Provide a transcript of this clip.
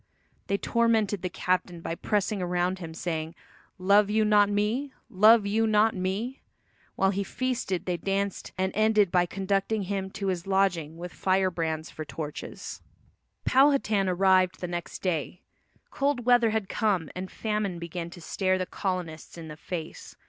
They tormented the captain by pressing around him saying, "Love you not me? Love you not me?" While he feasted they danced, and ended by conducting him to his lodging with fire brands for torches. Powhatan arrived the next day. Cold weather had come and famine began to stare the colonists in the face.